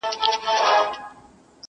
لکه راغلی چي له خیبر یې؛